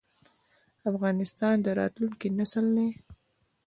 افغانستان د راتلونکي نسل دی